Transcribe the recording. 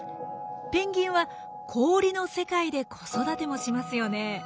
ペンギンは氷の世界で子育てもしますよね。